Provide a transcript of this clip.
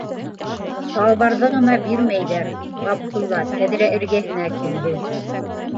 Салбарҙы ғына бирмәйҙәр, - Ғабдулла тәҙрә эргәһенә килде.